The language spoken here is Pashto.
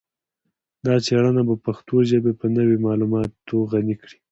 دا څیړنه به پښتو ژبه په نوي معلوماتو غني کړي